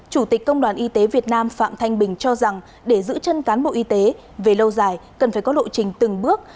chủ tịch công đoàn y tế việt nam phạm thanh bình cho rằng để giữ chân cán bộ y tế về lâu dài cần phải có lộ trình từng bước